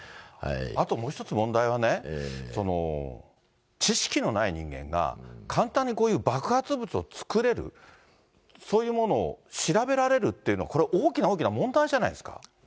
あともう一つ問題はね、知識のない人間が、簡単にこういう爆発物を作れる、そういうものを調べられるっていうの、これ、大きな大きな問題じゃないですか。